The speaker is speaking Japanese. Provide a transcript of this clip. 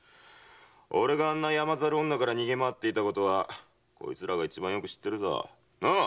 俺があんな山猿女から逃げ回っていたことはこいつらが一番よく知ってるさ。なあ？